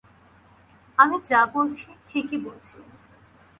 আমি যা বলছি, ঠিকই বলছি।